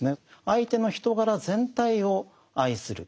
相手の人柄全体を愛する。